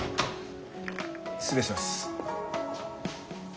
失礼します。